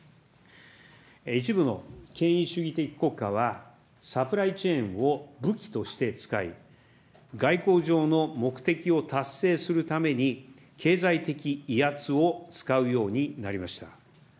一部の権威主義的国家は、サプライチェーンを武器として使い、外交上の目的を達成するために、経済的威圧を使うようになりました。